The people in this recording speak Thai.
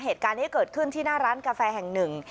เหตุการณ์นี้เกิดขึ้นที่หน้าร้านกาแฟแห่งหนึ่ง